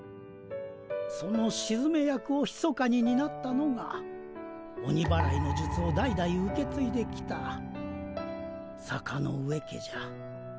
そのしずめ役をひそかにになったのが鬼祓いのじゅつを代々受けついできた坂ノ上家じゃ。